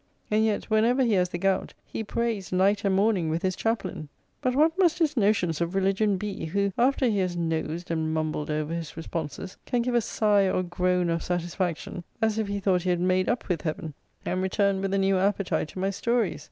and yet, whenever he has the gout, he prays night and morning with his chaplain. But what must his notions of religion be, who after he has nosed and mumbled over his responses, can give a sigh or groan of satisfaction, as if he thought he had made up with Heaven; and return with a new appetite to my stories?